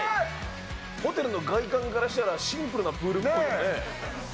ホテルの外観からしたらシンプルなプールっぽいよね。